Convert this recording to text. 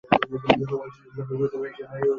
এটা সে কখন বললো?